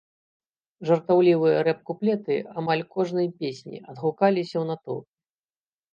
Жартаўлівыя рэп-куплеты амаль кожнай песні адгукаліся ў натоўпе.